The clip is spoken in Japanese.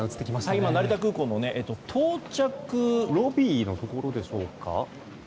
今、成田空港の到着ロビーのところでしょうか。